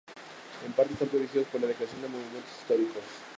En parte, están protegidos por la declaración de monumentos históricos.